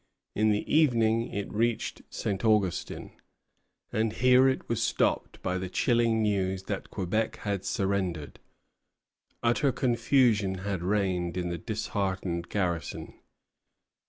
In the evening it reached St. Augustin; and here it was stopped by the chilling news that Quebec had surrendered. Utter confusion had reigned in the disheartened garrison.